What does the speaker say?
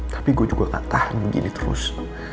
tapi gue juga gak tahan begini terus